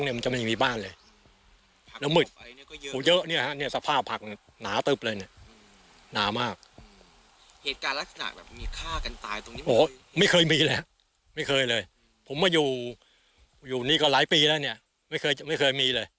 ไม่เคยมีเลย